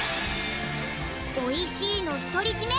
おいしいの独り占め